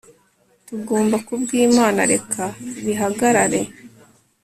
Tugomba ku bwImana reka bihagarare